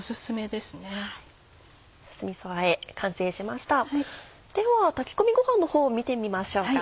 では炊き込みご飯のほうを見てみましょうか。